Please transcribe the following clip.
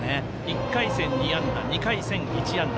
１回戦２安打２回戦１安打。